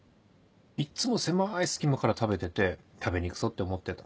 いっつも狭い隙間から食べてて食べにくそうって思ってた。